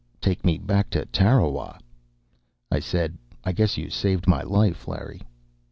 "Take me back to Tarawa." I said, "I guess you saved my life, Larry."